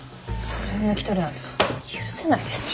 それを抜き取るなんて許せないです。